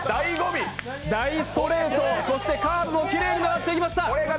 大ストレート、そしてカーブをきれいに回っていきました。